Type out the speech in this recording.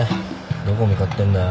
どこ向かってんだよ？